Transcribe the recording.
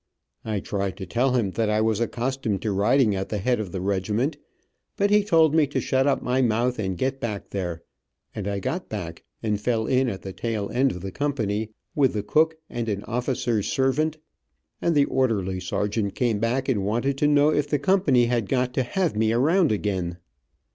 I tried to tell him that I was accustomed to riding at the head of the regiment, but he told me to shut up my mouth and get back there, and I got back, and fell in at the tail end of the company, with the cook and an officer's servant, and the orderly sergeant came back and wanted to know if the company had got to have me around again.